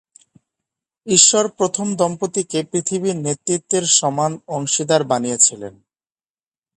ঈশ্বর প্রথম দম্পতিকে পৃথিবীতে নেতৃত্বের সমান অংশীদার বানিয়েছিলেন।